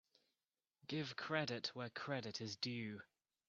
Give credit where credit is due.